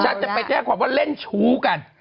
ฉันจะไปแจ้งความว่าเล่นชู้กัน